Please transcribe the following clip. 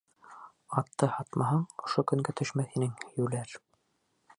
Атты һатмаһаң, ошо көнгә төшмәҫ инең, йүләр!..